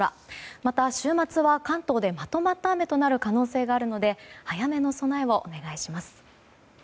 また、週末は関東でまとまった雨となる可能性があるので早めの備えをお願いします。